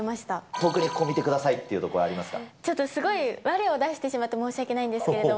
特にここ見てくださいとかとちょっとすごい、われを出してしまって申し訳ないんですけれども。